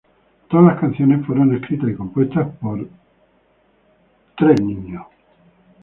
Todas las canciones fueron escritas y compuestas por Ill Niño